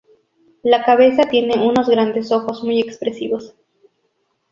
La cabeza tiene unos grandes ojos muy expresivos.